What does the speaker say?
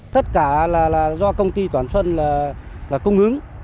tất cả là do công ty toàn xuân là cung ứng